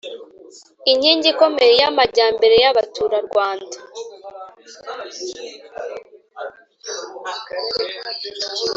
inkingi ikomeye y’ amajyambere y’ Abaturarwanda